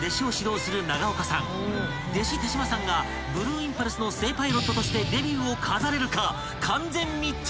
［弟子手島さんがブルーインパルスの正パイロットとしてデビューを飾れるか］